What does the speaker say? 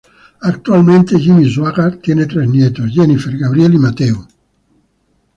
Actualmente Jimmy Swaggart tiene tres nietos, Jennifer, Gabriel y Mateo.